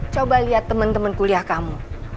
coba lihat temen temen kuliah kamu